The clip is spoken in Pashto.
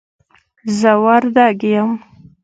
زه وردګ یم